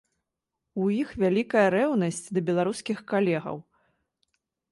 У іх вялікая рэўнасць да беларускіх калегаў.